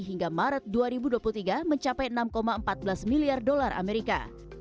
hingga maret dua ribu dua puluh tiga mencapai enam empat belas miliar dolar amerika